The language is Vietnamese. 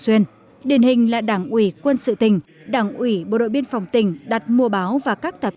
xuyên điển hình là đảng ủy quân sự tỉnh đảng ủy bộ đội biên phòng tỉnh đặt mua báo và các tạp